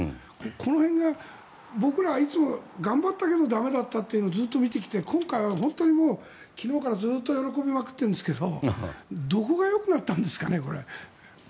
この辺が僕らはいつも頑張ったけどだめだったというのをずっと見てきて今回は本当に昨日からずっと喜びまくっているんですけどどこが良くなったんですかね？